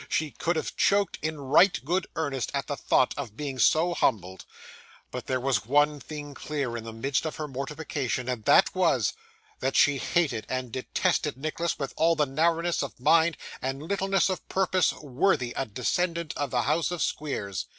She could have choked in right good earnest, at the thought of being so humbled. But, there was one thing clear in the midst of her mortification; and that was, that she hated and detested Nicholas with all the narrowness of mind and littleness of purpose worthy a descendant of the house of Squeers.